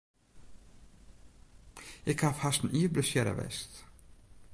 Ik haw hast in jier blessearre west.